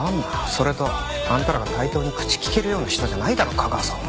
それとあんたらが対等に口利けるような人じゃないだろ架川さんは。